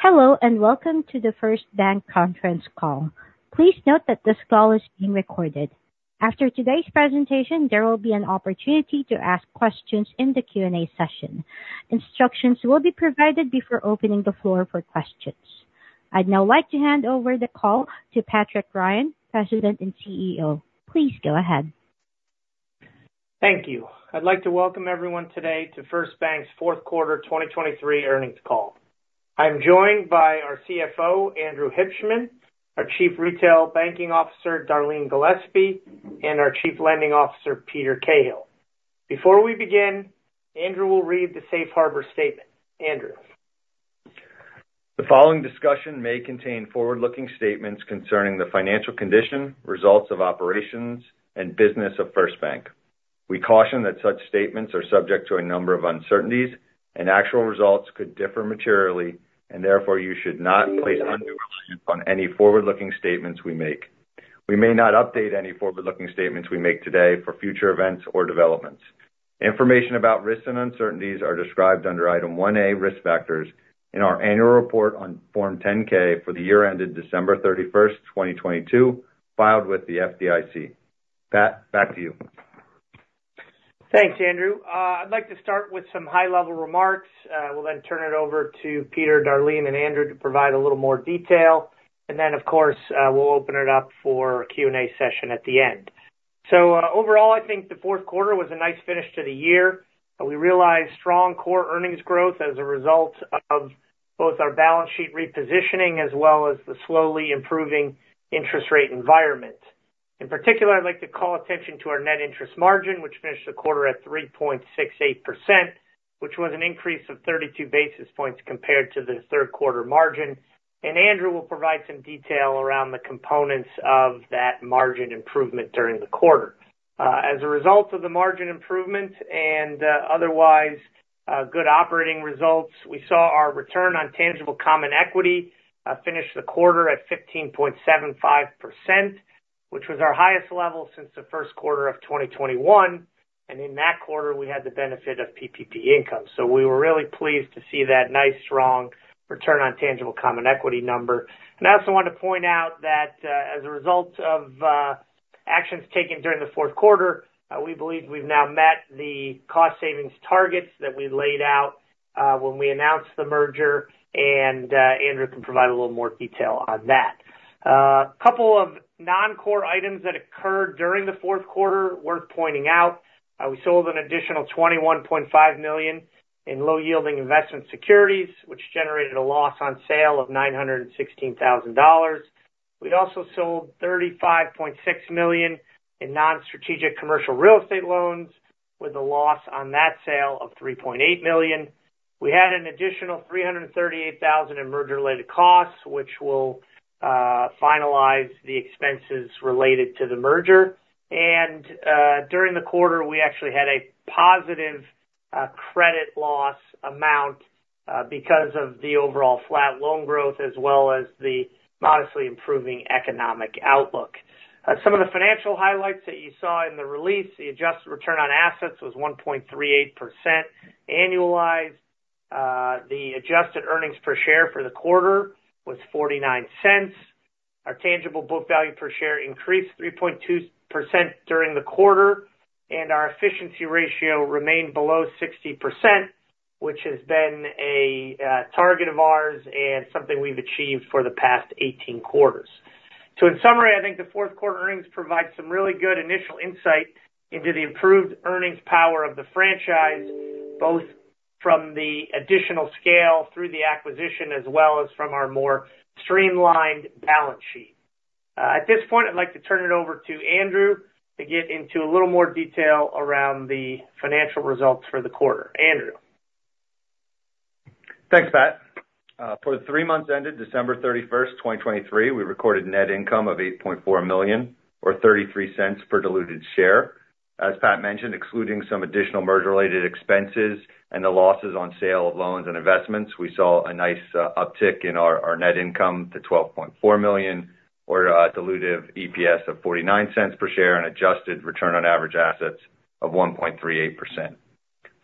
Hello, and welcome to the First Bank conference call. Please note that this call is being recorded. After today's presentation, there will be an opportunity to ask questions in the Q&A session. Instructions will be provided before opening the floor for questions. I'd now like to hand over the call to Patrick Ryan, President and CEO. Please go ahead. Thank you. I'd like to welcome everyone today to First Bank's fourth quarter 2023 earnings call. I'm joined by our CFO, Andrew Hibshman, our Chief Retail Banking Officer, Darleen Gillespie, and our Chief Lending Officer, Peter Cahill. Before we begin, Andrew will read the Safe Harbor statement. Andrew? The following discussion may contain forward-looking statements concerning the financial condition, results of operations, and business of First Bank. We caution that such statements are subject to a number of uncertainties, and actual results could differ materially and therefore you should not place undue reliance on any forward-looking statements we make. We may not update any forward-looking statements we make today for future events or developments. Information about risks and uncertainties are described under Item 1A, Risk Factors in our Annual Report on Form 10-K for the year ended December 31st, 2022, filed with the FDIC. Pat, back to you. Thanks, Andrew. I'd like to start with some high-level remarks. We'll then turn it over to Peter, Darleen, and Andrew to provide a little more detail. Then, of course, we'll open it up for a Q&A session at the end. Overall, I think the fourth quarter was a nice finish to the year. We realized strong core earnings growth as a result of both our balance sheet repositioning, as well as the slowly improving interest rate environment. In particular, I'd like to call attention to our net interest margin, which finished the quarter at 3.68%, which was an increase of 32 basis points compared to the third quarter margin. Andrew will provide some detail around the components of that margin improvement during the quarter. As a result of the margin improvement and otherwise good operating results, we saw our Return on Tangible Common Equity finish the quarter at 15.75%, which was our highest level since the first quarter of 2021, and in that quarter, we had the benefit of PPP income. So we were really pleased to see that nice, strong Return on Tangible Common Equity number. And I also wanted to point out that as a result of actions taken during the fourth quarter, we believe we've now met the cost savings targets that we laid out when we announced the merger, and Andrew can provide a little more detail on that. A couple of non-core items that occurred during the fourth quarter worth pointing out. We sold an additional $21.5 million in low-yielding investment securities, which generated a loss on sale of $916,000. We also sold $35.6 million in non-strategic commercial real estate loans with a loss on that sale of $3.8 million. We had an additional $338,000 in merger-related costs, which will finalize the expenses related to the merger. During the quarter, we actually had a positive credit loss amount because of the overall flat loan growth, as well as the modestly improving economic outlook. Some of the financial highlights that you saw in the release, the adjusted return on assets was 1.38% annualized. The adjusted earnings per share for the quarter was $0.49. Our tangible book value per share increased 3.2% during the quarter, and our efficiency ratio remained below 60%, which has been a target of ours and something we've achieved for the past 18 quarters. So in summary, I think the fourth quarter earnings provide some really good initial insight into the improved earnings power of the franchise, both from the additional scale through the acquisition as well as from our more streamlined balance sheet. At this point, I'd like to turn it over to Andrew to get into a little more detail around the financial results for the quarter. Andrew? Thanks, Pat. For the three months ended December 31st, 2023, we recorded net income of $8.4 million or $0.33 per diluted share. As Pat mentioned, excluding some additional merger-related expenses and the losses on sale of loans and investments, we saw a nice uptick in our net income to $12.4 million or a diluted EPS of $0.49 per share and adjusted return on average assets of 1.38%.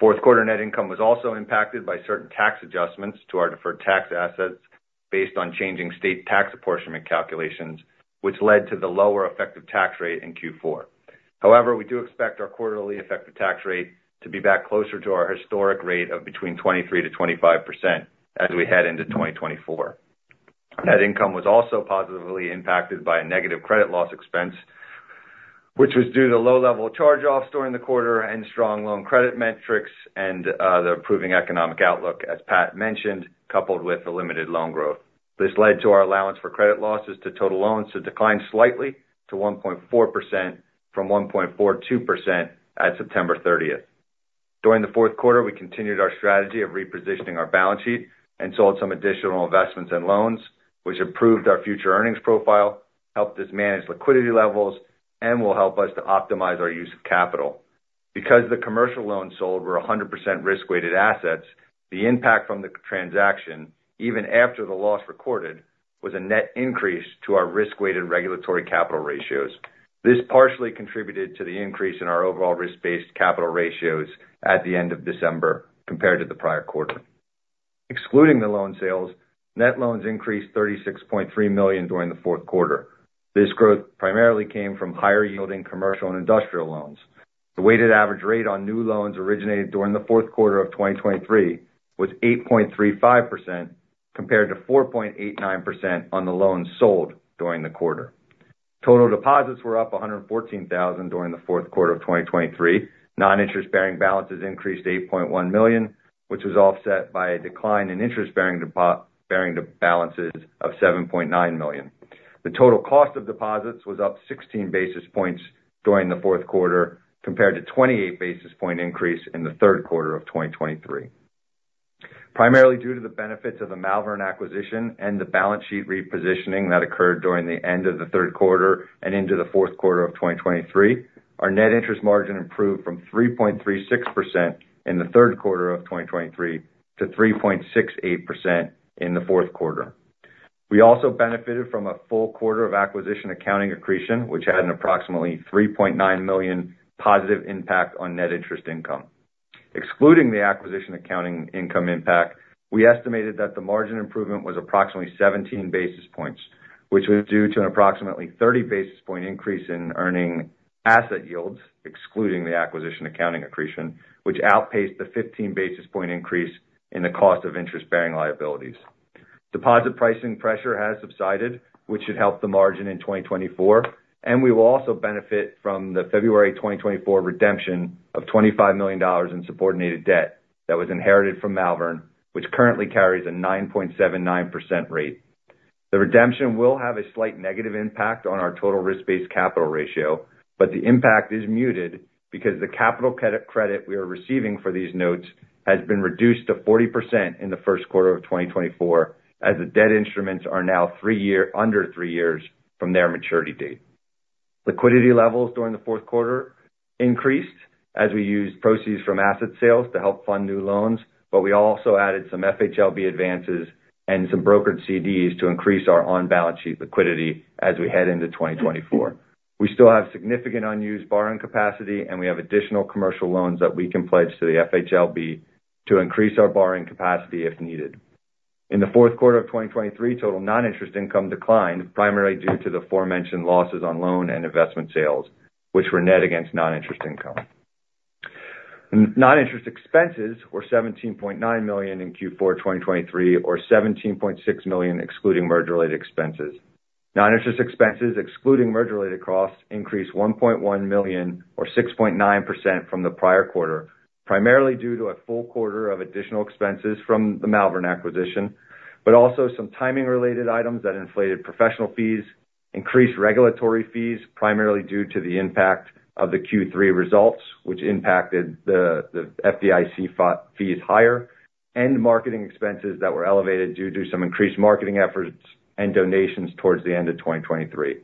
Fourth quarter net income was also impacted by certain tax adjustments to our deferred tax assets based on changing state tax apportionment calculations, which led to the lower effective tax rate in Q4. However, we do expect our quarterly effective tax rate to be back closer to our historic rate of between 23%-25% as we head into 2024. Net income was also positively impacted by a negative credit loss expense, which was due to low level charge-offs during the quarter and strong loan credit metrics and the improving economic outlook, as Pat mentioned, coupled with the limited loan growth. This led to our allowance for credit losses to total loans to decline slightly to 1.4% from 1.42% at September 30th. During the fourth quarter, we continued our strategy of repositioning our balance sheet and sold some additional investments and loans, which improved our future earnings profile, helped us manage liquidity levels, and will help us to optimize our use of capital. Because the commercial loans sold were 100% risk-weighted assets, the impact from the transaction, even after the loss recorded was a net increase to our risk-weighted regulatory capital ratios. This partially contributed to the increase in our overall risk-based capital ratios at the end of December compared to the prior quarter. Excluding the loan sales, net loans increased $36.3 million during the fourth quarter. This growth primarily came from higher yielding commercial and industrial loans. The weighted average rate on new loans originated during the fourth quarter of 2023 was 8.35%, compared to 4.89% on the loans sold during the quarter. Total deposits were up $114,000 during the fourth quarter of 2023. Non-interest bearing balances increased $8.1 million, which was offset by a decline in interest-bearing deposit balances of $7.9 million. The total cost of deposits was up 16 basis points during the fourth quarter, compared to 28 basis point increase in the third quarter of 2023. Primarily due to the benefits of the Malvern acquisition and the balance sheet repositioning that occurred during the end of the third quarter and into the fourth quarter of 2023, our net interest margin improved from 3.36% in the third quarter of 2023 to 3.68% in the fourth quarter. We also benefited from a full quarter of acquisition accounting accretion, which had an approximately $3.9 million positive impact on net interest income. Excluding the acquisition accounting income impact, we estimated that the margin improvement was approximately 17 basis points, which was due to an approximately 30 basis point increase in earning asset yields, excluding the acquisition accounting accretion, which outpaced the 15 basis point increase in the cost of interest-bearing liabilities. Deposit pricing pressure has subsided, which should help the margin in 2024, and we will also benefit from the February 2024 redemption of $25 million in subordinated debt that was inherited from Malvern, which currently carries a 9.79% rate. The redemption will have a slight negative impact on our total risk-based capital ratio, but the impact is muted because the capital credit we are receiving for these notes has been reduced to 40% in the first quarter of 2024, as the debt instruments are now under three years from their maturity date. Liquidity levels during the fourth quarter increased as we used proceeds from asset sales to help fund new loans, but we also added some FHLB advances and some brokered CDs to increase our on-balance sheet liquidity as we head into 2024. We still have significant unused borrowing capacity, and we have additional commercial loans that we can pledge to the FHLB to increase our borrowing capacity if needed. In the fourth quarter of 2023, total non-interest income declined, primarily due to the aforementioned losses on loan and investment sales, which were net against non-interest income. Non-interest expenses were $17.9 million in Q4 2023, or $17.6 million, excluding merger-related expenses. Non-interest expenses, excluding merger-related costs, increased $1.1 million or 6.9% from the prior quarter, primarily due to a full quarter of additional expenses from the Malvern acquisition, but also some timing-related items that inflated professional fees, increased regulatory fees, primarily due to the impact of the Q3 results, which impacted the FDIC fees higher and marketing expenses that were elevated due to some increased marketing efforts and donations towards the end of 2023.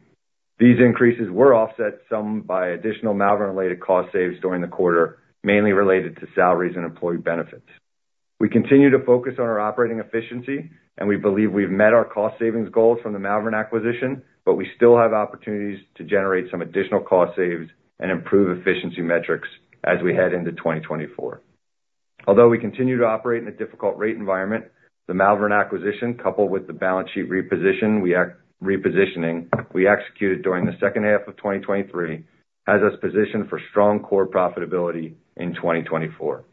These increases were offset some by additional Malvern related cost saves during the quarter, mainly related to salaries and employee benefits. We continue to focus on our operating efficiency, and we believe we've met our cost savings goals from the Malvern acquisition, but we still have opportunities to generate some additional cost saves and improve efficiency metrics as we head into 2024. Although we continue to operate in a difficult rate environment, the Malvern acquisition, coupled with the balance sheet repositioning we executed during the second half of 2023, has us positioned for strong core profitability in 2024.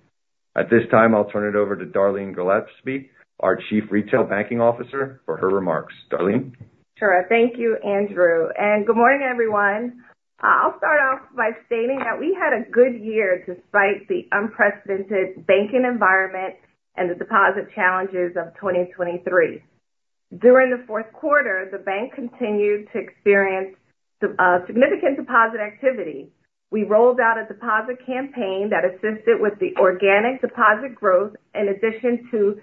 At this time, I'll turn it over to Darleen Gillespie, our Chief Retail Banking Officer, for her remarks. Darleen? Sure. Thank you, Andrew, and good morning, everyone. I'll start off by stating that we had a good year despite the unprecedented banking environment and the deposit challenges of 2023. During the fourth quarter, the bank continued to experience significant deposit activity. We rolled out a deposit campaign that assisted with the organic deposit growth, in addition to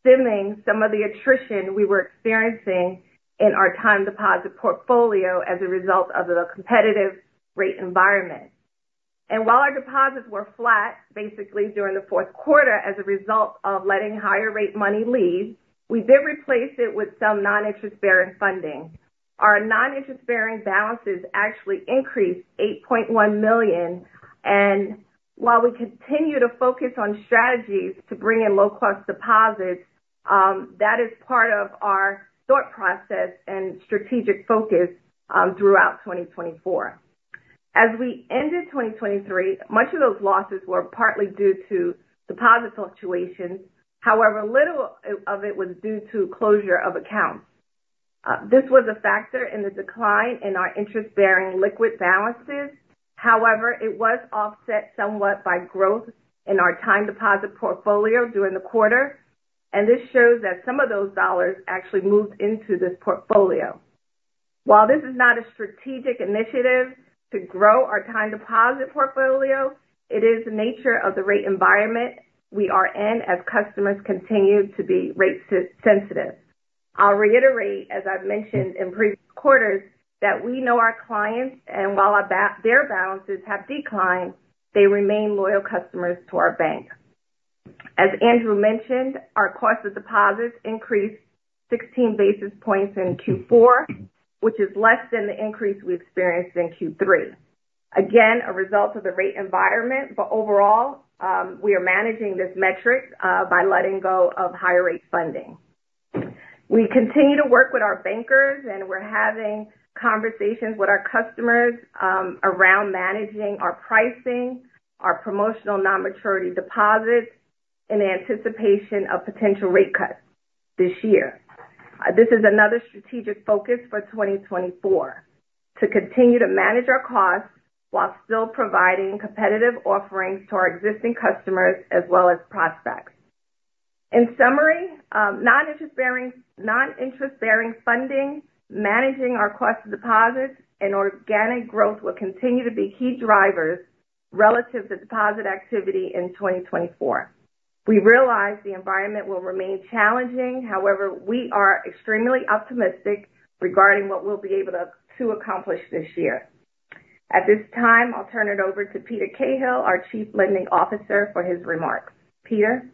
stemming some of the attrition we were experiencing in our time deposit portfolio as a result of the competitive rate environment. And while our deposits were flat, basically during the fourth quarter, as a result of letting higher rate money leave, we did replace it with some non-interest bearing funding. Our non-interest bearing balances actually increased $8.1 million, and while we continue to focus on strategies to bring in low-cost deposits, that is part of our thought process and strategic focus throughout 2024. As we ended 2023, much of those losses were partly due to deposit fluctuations. However, little of it was due to closure of accounts. This was a factor in the decline in our interest-bearing liquid balances. However, it was offset somewhat by growth in our time deposit portfolio during the quarter, and this shows that some of those dollars actually moved into this portfolio. While this is not a strategic initiative to grow our time deposit portfolio, it is the nature of the rate environment we are in as customers continue to be rate sensitive. I'll reiterate, as I've mentioned in previous quarters, that we know our clients, and while their balances have declined, they remain loyal customers to our bank. As Andrew mentioned, our cost of deposits increased 16 basis points in Q4, which is less than the increase we experienced in Q3. Again, a result of the rate environment, but overall, we are managing this metric by letting go of higher rate funding. We continue to work with our bankers, and we're having conversations with our customers around managing our pricing, our promotional non-maturity deposits, in anticipation of potential rate cuts this year. This is another strategic focus for 2024, to continue to manage our costs while still providing competitive offerings to our existing customers as well as prospects. In summary, non-interest bearing funding, managing our cost of deposits and organic growth will continue to be key drivers relative to deposit activity in 2024. We realize the environment will remain challenging; however, we are extremely optimistic regarding what we'll be able to accomplish this year. At this time, I'll turn it over to Peter Cahill, our Chief Lending Officer, for his remarks. Peter?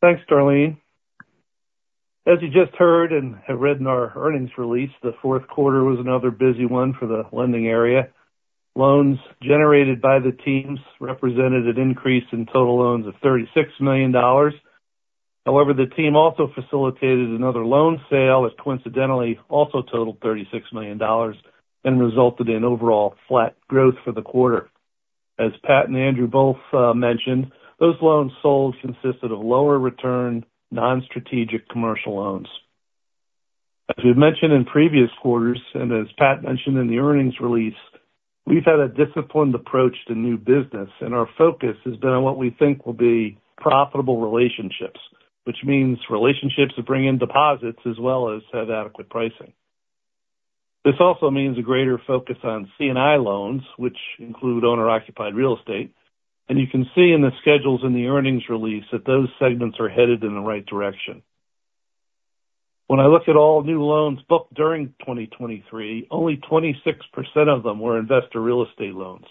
Thanks, Darlene. As you just heard and have read in our earnings release, the fourth quarter was another busy one for the lending area. Loans generated by the teams represented an increase in total loans of $36 million. However, the team also facilitated another loan sale, which coincidentally also totaled $36 million and resulted in overall flat growth for the quarter. As Pat and Andrew both mentioned, those loans sold consisted of lower return, non-strategic commercial loans. As we've mentioned in previous quarters, and as Pat mentioned in the earnings release, we've had a disciplined approach to new business, and our focus has been on what we think will be profitable relationships, which means relationships that bring in deposits as well as have adequate pricing. This also means a greater focus on C&I loans, which include owner-occupied real estate, and you can see in the schedules in the earnings release that those segments are headed in the right direction. When I look at all new loans booked during 2023, only 26% of them were investor real estate loans.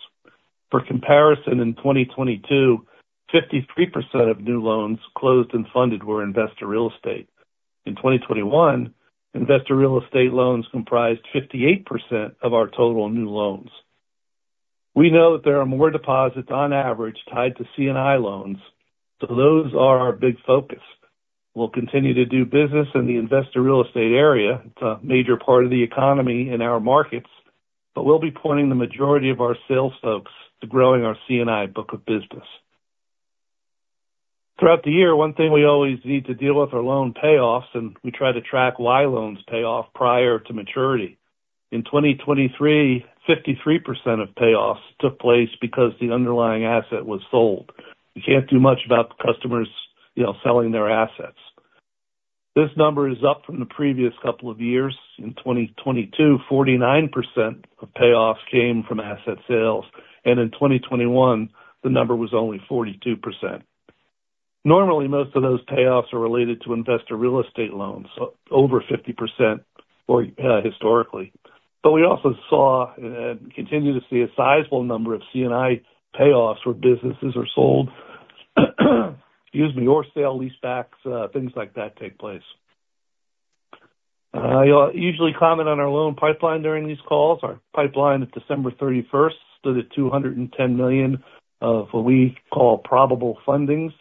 For comparison, in 2022, 53% of new loans closed and funded were investor real estate. In 2021, investor real estate loans comprised 58% of our total new loans. We know that there are more deposits on average tied to C&I loans, so those are our big focus. We'll continue to do business in the investor real estate area. It's a major part of the economy in our markets, but we'll be pointing the majority of our sales folks to growing our C&I book of business. Throughout the year, one thing we always need to deal with are loan payoffs, and we try to track why loans pay off prior to maturity. In 2023, 53% of payoffs took place because the underlying asset was sold. You can't do much about the customers, you know, selling their assets. This number is up from the previous couple of years. In 2022, 49% of payoffs came from asset sales, and in 2021, the number was only 42%. Normally, most of those payoffs are related to investor real estate loans, so over 50% or, historically. But we also saw continue to see a sizable number of C&I payoffs where businesses are sold, excuse me, or sale-leasebacks, things like that take place. I'll usually comment on our loan pipeline during these calls. Our pipeline at December 31st stood at $210 million of what we call probable fundings,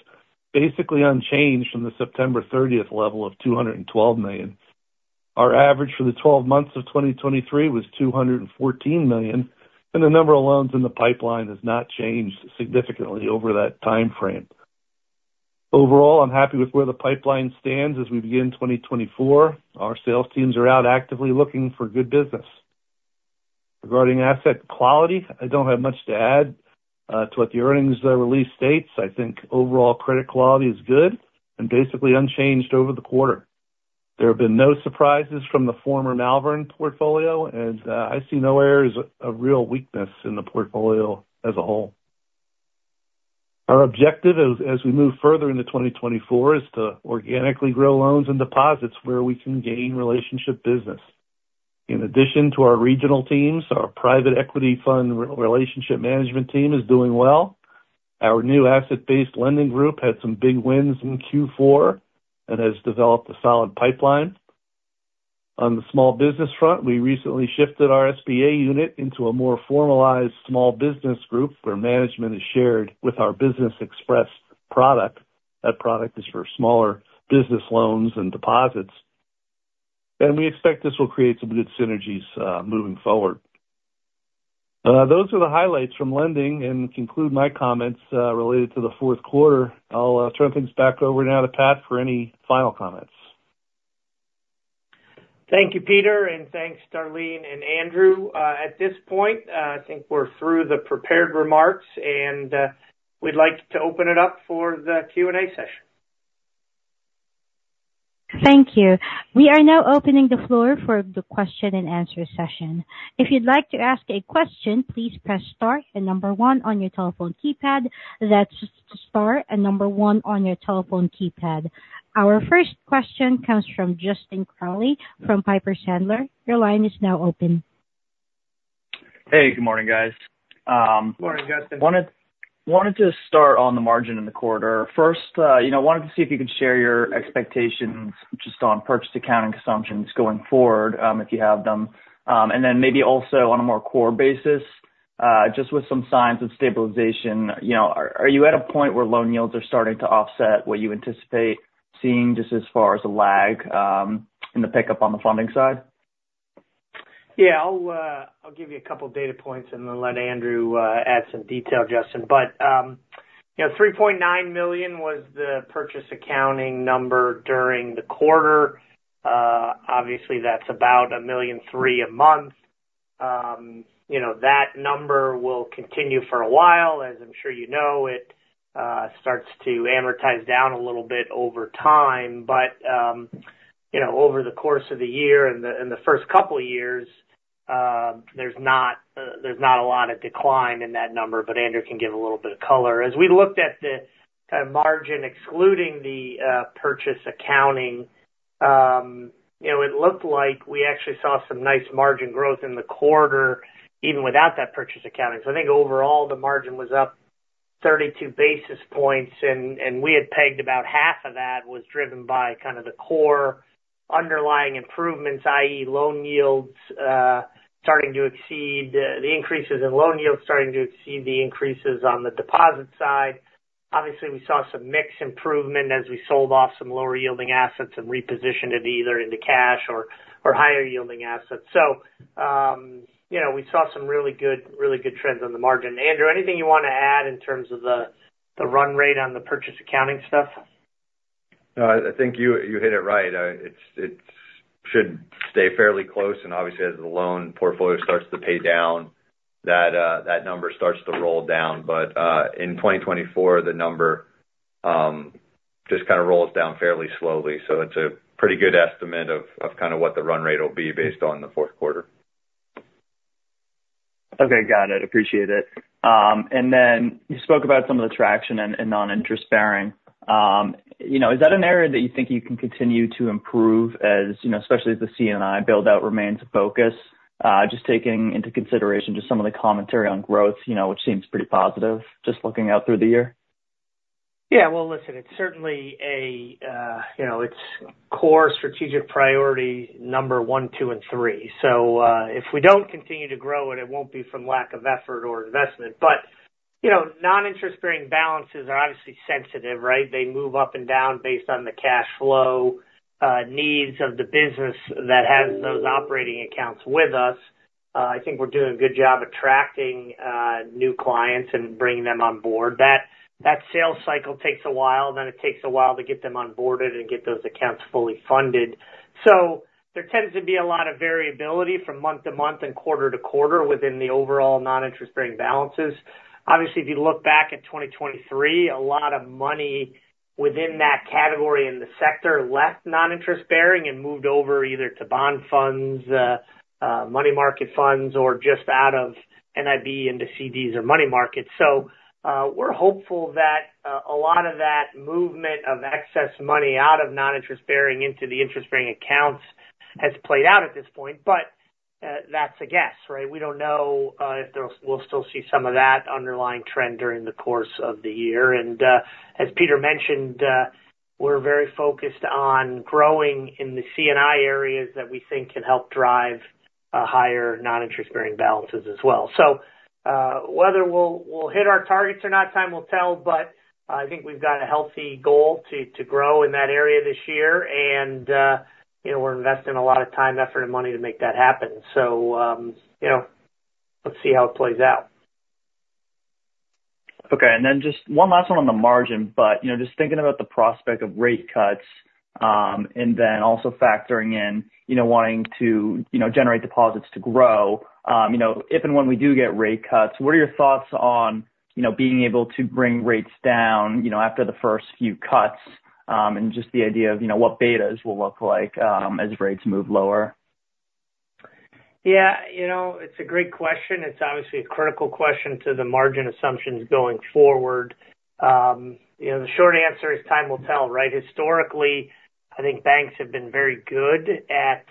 basically unchanged from the September 30th level of $212 million. Our average for the twelve months of 2023 was $214 million, and the number of loans in the pipeline has not changed significantly over that timeframe. Overall, I'm happy with where the pipeline stands as we begin 2024. Our sales teams are out actively looking for good business. Regarding asset quality, I don't have much to add to what the earnings release states. I think overall credit quality is good and basically unchanged over the quarter. There have been no surprises from the former Malvern portfolio, and I see no areas of real weakness in the portfolio as a whole. Our objective as we move further into 2024, is to organically grow loans and deposits where we can gain relationship business. In addition to our regional teams, our private equity fund relationship management team is doing well. Our new asset-based lending group had some big wins in Q4 and has developed a solid pipeline. On the small business front, we recently shifted our SBA unit into a more formalized small business group, where management is shared with our Business Express product. That product is for smaller business loans and deposits. We expect this will create some good synergies moving forward. Those are the highlights from lending and conclude my comments related to the fourth quarter. I'll turn things back over now to Pat for any final comments. Thank you, Peter, and thanks, Darleen and Andrew. At this point, I think we're through the prepared remarks, and we'd like to open it up for the Q&A session. Thank you. We are now opening the floor for the question and answer session. If you'd like to ask a question, please press star and number one on your telephone keypad. That's star and number one on your telephone keypad. Our first question comes from Justin Crowley from Piper Sandler. Your line is now open. Hey, good morning, guys. Good morning, Justin. Wanted to start on the margin in the quarter. First, you know, wanted to see if you could share your expectations just on purchase accounting assumptions going forward, if you have them. And then maybe also on a more core basis, just with some signs of stabilization, you know, are you at a point where loan yields are starting to offset what you anticipate seeing, just as far as the lag, in the pickup on the funding side? Yeah, I'll give you a couple data points and then let Andrew add some detail, Justin. But you know, $3.9 million was the purchase accounting number during the quarter. Obviously, that's about $1.3 million a month. You know, that number will continue for a while, as I'm sure you know, it starts to amortize down a little bit over time, but you know, over the course of the year and the first couple years, there's not a lot of decline in that number, but Andrew can give a little bit of color. As we looked at the kind of margin, excluding the purchase accounting, you know, it looked like we actually saw some nice margin growth in the quarter, even without that purchase accounting. So I think overall, the margin was up 32 basis points, and we had pegged about half of that was driven by kind of the core underlying improvements, i.e., the increases in loan yields starting to exceed the increases on the deposit side. Obviously, we saw some mix improvement as we sold off some lower yielding assets and repositioned it either into cash or higher yielding assets. So, you know, we saw some really good, really good trends on the margin. Andrew, anything you want to add in terms of the run rate on the purchase accounting stuff? No, I think you hit it right. It should stay fairly close, and obviously, as the loan portfolio starts to pay down, that number starts to roll down. But in 2024, the number just kind of rolls down fairly slowly. So it's a pretty good estimate of kind of what the run rate will be based on the fourth quarter. Okay, got it. Appreciate it. And then you spoke about some of the traction and non-interest bearing. You know, is that an area that you think you can continue to improve, as, you know, especially as the C&I build-out remains a focus? Just taking into consideration just some of the commentary on growth, you know, which seems pretty positive, just looking out through the year. Yeah, well, listen, it's certainly a, you know, it's core strategic priority number one, two, and three. So, if we don't continue to grow, and it won't be from lack of effort or investment. But, you know, non-interest bearing balances are obviously sensitive, right? They move up and down based on the cash flow, needs of the business that has those operating accounts with us. I think we're doing a good job attracting, new clients and bringing them on board. That, that sales cycle takes a while, then it takes a while to get them onboarded and get those accounts fully funded. So there tends to be a lot of variability from month to month and quarter to quarter within the overall non-interest bearing balances. Obviously, if you look back at 2023, a lot of money within that category in the sector left non-interest bearing and moved over either to bond funds, money market funds, or just out of NIB into CDs or money markets. So, we're hopeful that a lot of that movement of excess money out of non-interest bearing into the interest bearing accounts has played out at this point, but that's a guess, right? We don't know if we'll still see some of that underlying trend during the course of the year. And, as Peter mentioned, we're very focused on growing in the C&I areas that we think can help drive higher non-interest bearing balances as well. So, whether we'll hit our targets or not, time will tell, but I think we've got a healthy goal to grow in that area this year. And, you know, we're investing a lot of time, effort, and money to make that happen. So, you know, let's see how it plays out. Okay, and then just one last one on the margin, but, you know, just thinking about the prospect of rate cuts, and then also factoring in, you know, wanting to, you know, generate deposits to grow. You know, if and when we do get rate cuts, what are your thoughts on, you know, being able to bring rates down, you know, after the first few cuts? And just the idea of, you know, what betas will look like, as rates move lower. Yeah, you know, it's a great question. It's obviously a critical question to the margin assumptions going forward. You know, the short answer is time will tell, right? Historically, I think banks have been very good at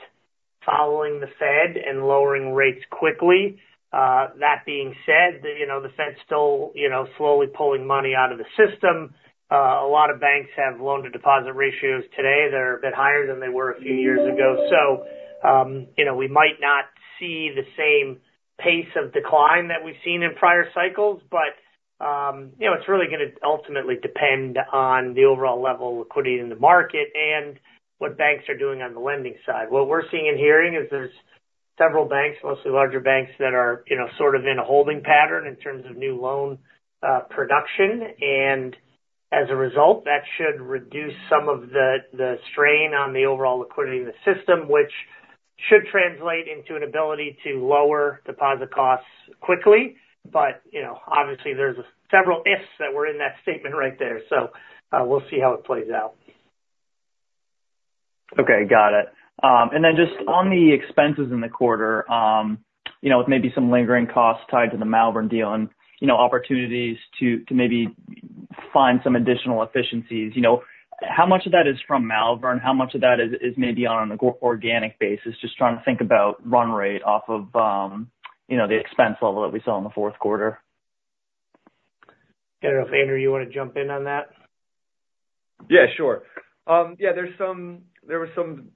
following the Fed and lowering rates quickly. That being said, you know, the Fed's still, you know, slowly pulling money out of the system. A lot of banks have loan-to-deposit ratios today that are a bit higher than they were a few years ago. So, you know, we might not see the same pace of decline that we've seen in prior cycles, but, you know, it's really gonna ultimately depend on the overall level of liquidity in the market and what banks are doing on the lending side. What we're seeing and hearing is there's several banks, mostly larger banks, that are, you know, sort of in a holding pattern in terms of new loan production. As a result, that should reduce some of the strain on the overall liquidity in the system, which should translate into an ability to lower deposit costs quickly. But, you know, obviously, there's several ifs that were in that statement right there, so, we'll see how it plays out. Okay, got it. And then just on the expenses in the quarter, you know, with maybe some lingering costs tied to the Malvern deal and, you know, opportunities to maybe find some additional efficiencies. You know, how much of that is from Malvern? How much of that is maybe on an organic basis? Just trying to think about run rate off of, you know, the expense level that we saw in the fourth quarter. I don't know, Andrew, you want to jump in on that? Yeah, sure. Yeah, there was some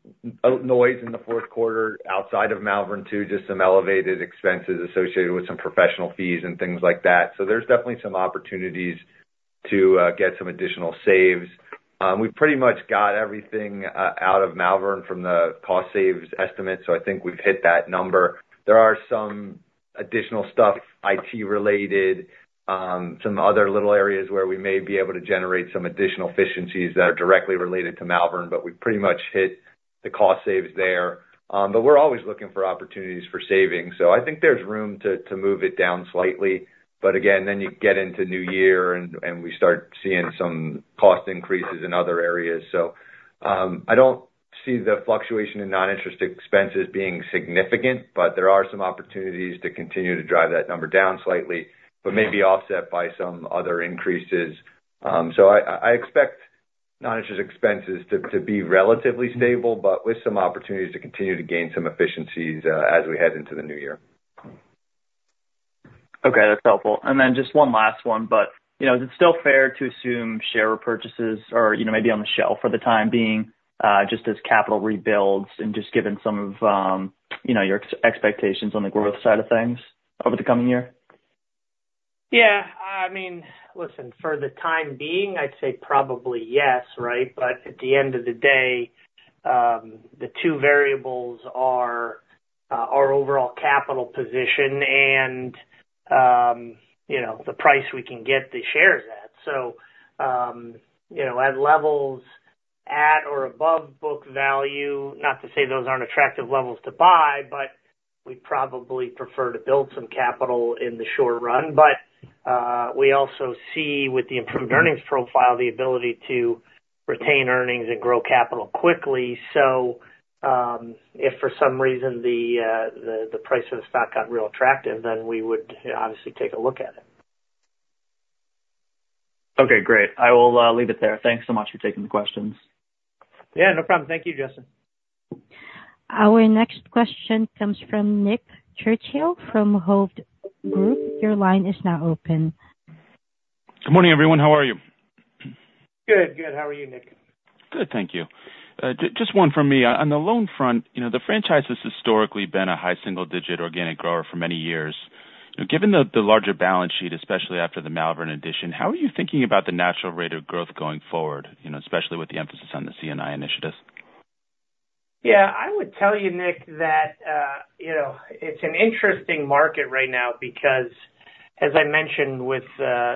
noise in the fourth quarter outside of Malvern, too, just some elevated expenses associated with some professional fees and things like that. So there's definitely some opportunities to get some additional saves. We pretty much got everything out of Malvern from the cost saves estimate, so I think we've hit that number. There are some additional stuff, IT related, some other little areas where we may be able to generate some additional efficiencies that are directly related to Malvern, but we've pretty much hit the cost saves there. But we're always looking for opportunities for savings, so I think there's room to move it down slightly. But again, then you get into New Year and we start seeing some cost increases in other areas. I don't see the fluctuation in non-interest expenses being significant, but there are some opportunities to continue to drive that number down slightly, but may be offset by some other increases. I expect non-interest expenses to be relatively stable, but with some opportunities to continue to gain some efficiencies, as we head into the new year. Okay, that's helpful. And then just one last one, but, you know, is it still fair to assume share repurchases are, you know, maybe on the shelf for the time being, just as capital rebuilds and just given some of, you know, your expectations on the growth side of things over the coming year? Yeah. I mean, listen, for the time being, I'd say probably yes, right? But at the end of the day, the two variables are our overall capital position and, you know, the price we can get the shares at. So, you know, at levels at or above book value, not to say those aren't attractive levels to buy, but we'd probably prefer to build some capital in the short run. But we also see, with the improved earnings profile, the ability to retain earnings and grow capital quickly. So, if for some reason the price of the stock got real attractive, then we would obviously take a look at it. Okay, great. I will leave it there. Thanks so much for taking the questions. Yeah, no problem. Thank you, Justin. Our next question comes from Nick Cucharale, from Hovde Group. Your line is now open. Good morning, everyone. How are you? Good, good. How are you, Nick? Good, thank you. Just one from me. On the loan front, you know, the franchise has historically been a high single digit organic grower for many years. You know, given the larger balance sheet, especially after the Malvern addition, how are you thinking about the natural rate of growth going forward, you know, especially with the emphasis on the C&I initiatives? Yeah, I would tell you, Nick, that, you know, it's an interesting market right now, because, as I mentioned, with,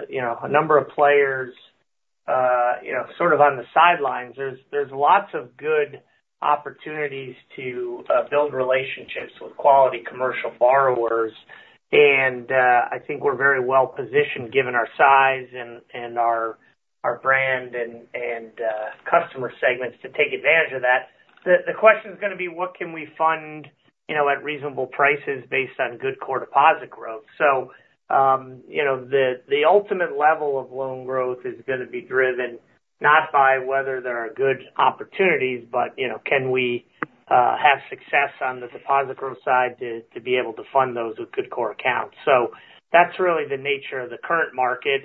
you know, a number of players, you know, sort of on the sidelines, there's, there's lots of good opportunities to build relationships with quality commercial borrowers. And, I think we're very well positioned given our size and, and our, our brand and, and, customer segments to take advantage of that. The, the question is gonna be what can we fund, you know, at reasonable prices based on good core deposit growth? So, you know, the, the ultimate level of loan growth is gonna be driven, not by whether there are good opportunities, but, you know, can we have success on the deposit growth side to, to be able to fund those with good core accounts? So that's really the nature of the current market.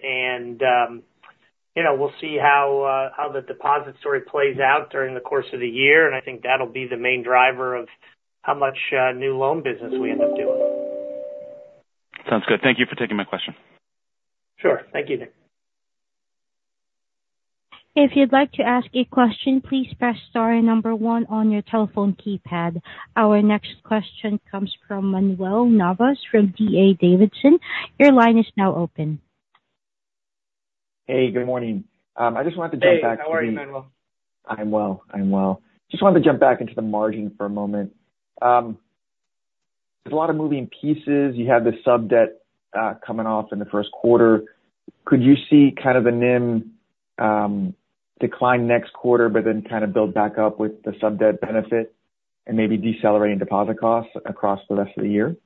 You know, we'll see how the deposit story plays out during the course of the year, and I think that'll be the main driver of how much new loan business we end up doing. Sounds good. Thank you for taking my question. Sure. Thank you, Nick. If you'd like to ask a question, please press star and number one on your telephone keypad. Our next question comes from Manuel Navas, from D.A. Davidson. Your line is now open. Hey, good morning. I just wanted to jump back Hey, how are you, Manuel? I'm well. I'm well. Just wanted to jump back into the margin for a moment. There's a lot of moving pieces. You have the sub-debt coming off in the first quarter. Could you see kind of the NIM decline next quarter, but then kind of build back up with the sub-debt benefit and maybe decelerating deposit costs across the rest of the year?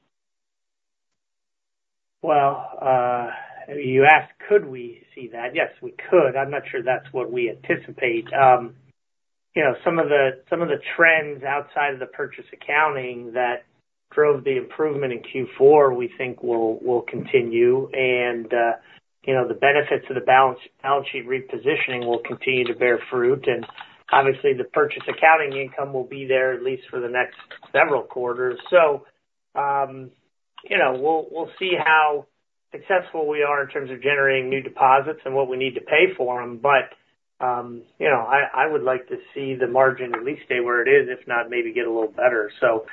Well, you asked, could we see that? Yes, we could. I'm not sure that's what we anticipate. You know, some of the, some of the trends outside of the purchase accounting that drove the improvement in Q4, we think will, will continue. And, you know, the benefits of the balance, balance sheet repositioning will continue to bear fruit, and obviously, the purchase accounting income will be there at least for the next several quarters. So, you know, we'll, we'll see how successful we are in terms of generating new deposits and what we need to pay for them. But, you know, I, I would like to see the margin at least stay where it is, if not, maybe get a little better. So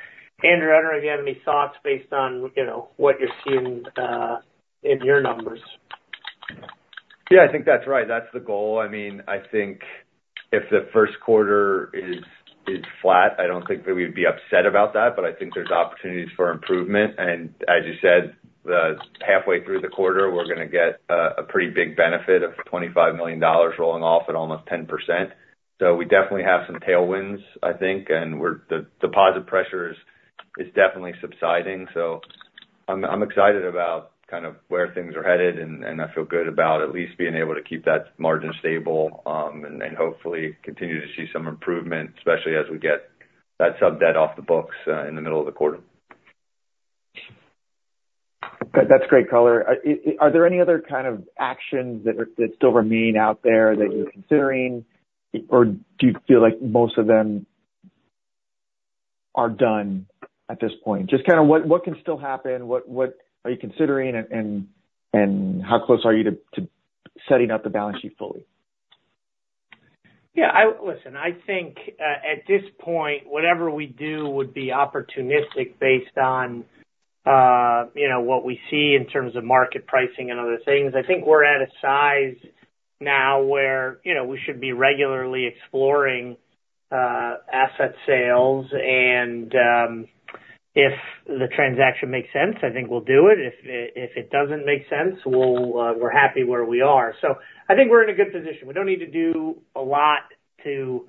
Andrew, I don't know if you have any thoughts based on, you know, what you're seeing, in your numbers? Yeah, I think that's right. That's the goal. I mean, I think if the first quarter is flat, I don't think that we'd be upset about that, but I think there's opportunities for improvement. And as you said, halfway through the quarter, we're gonna get a pretty big benefit of $25 million rolling off at almost 10%. So we definitely have some tailwinds, I think, and the deposit pressure is definitely subsiding, so I'm excited about kind of where things are headed, and I feel good about at least being able to keep that margin stable, and then hopefully continue to see some improvement, especially as we get that sub-debt off the books in the middle of the quarter. That's great color. Are there any other kind of actions that still remain out there that you're considering? Or do you feel like most of them are done at this point? Just kind of what can still happen? What are you considering and how close are you to setting up the balance sheet fully? Yeah, listen, I think, at this point, whatever we do would be opportunistic based on, you know, what we see in terms of market pricing and other things. I think we're at a size now where, you know, we should be regularly exploring, asset sales, and, if the transaction makes sense, I think we'll do it. If it doesn't make sense, we'll. We're happy where we are. So I think we're in a good position. We don't need to do a lot to, you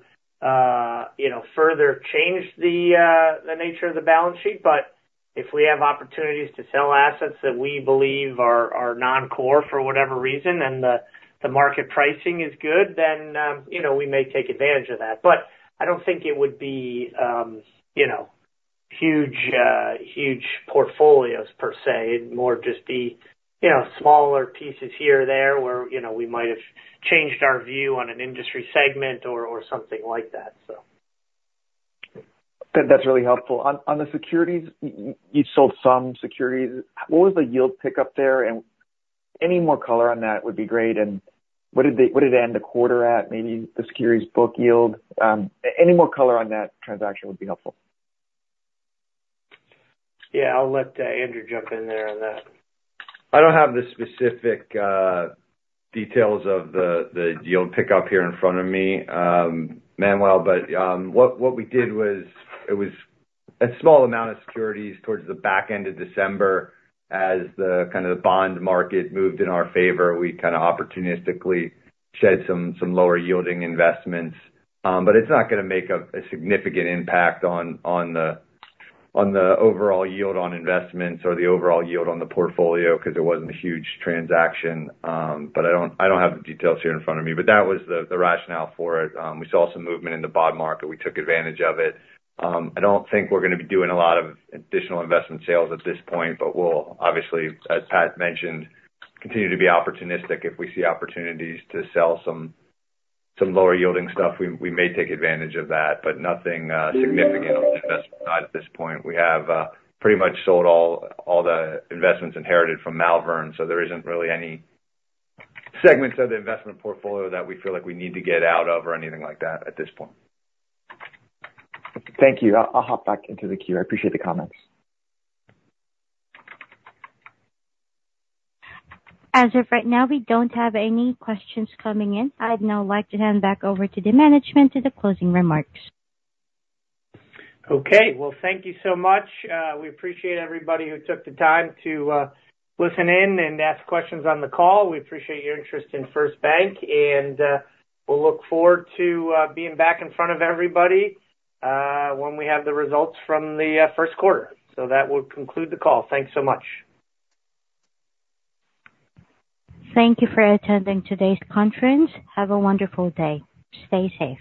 know, further change the nature of the balance sheet, but if we have opportunities to sell assets that we believe are non-core for whatever reason, and the market pricing is good, then, you know, we may take advantage of that. But I don't think it would be, you know, huge, huge portfolios per se. It'd more just be, you know, smaller pieces here or there, where, you know, we might have changed our view on an industry segment or, or something like that, so. That, that's really helpful. On the securities, you sold some securities. What was the yield pickup there? And any more color on that would be great. And what did they... What did it end the quarter at, maybe the securities book yield? Any more color on that transaction would be helpful. Yeah, I'll let Andrew jump in there on that. I don't have the specific details of the yield pickup here in front of me, Manuel, but what we did was, it was a small amount of securities towards the back end of December. As the bond market moved in our favor, we kind of opportunistically shed some lower yielding investments. But it's not gonna make a significant impact on the overall yield on investments or the overall yield on the portfolio, because it wasn't a huge transaction. But I don't have the details here in front of me, but that was the rationale for it. We saw some movement in the bond market. We took advantage of it. I don't think we're gonna be doing a lot of additional investment sales at this point, but we'll obviously, as Pat mentioned, continue to be opportunistic. If we see opportunities to sell some lower yielding stuff, we may take advantage of that, but nothing significant on the investment side at this point. We have pretty much sold all the investments inherited from Malvern, so there isn't really any segments of the investment portfolio that we feel like we need to get out of or anything like that at this point. Thank you. I'll hop back into the queue. I appreciate the comments. As of right now, we don't have any questions coming in. I'd now like to hand back over to the management to the closing remarks. Okay. Well, thank you so much. We appreciate everybody who took the time to listen in and ask questions on the call. We appreciate your interest in First Bank, and we'll look forward to being back in front of everybody when we have the results from the first quarter. So that will conclude the call. Thanks so much. Thank you for attending today's conference. Have a wonderful day. Stay safe.